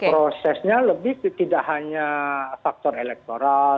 prosesnya lebih tidak hanya faktor elektoral